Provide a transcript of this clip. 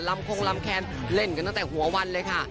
คงลำแคนเล่นกันตั้งแต่หัววันเลยค่ะ